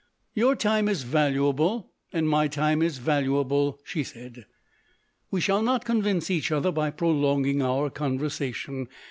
"Your time is valuable, and my time is valuable," she said. "We shall not convince each other by prolonging our conversation.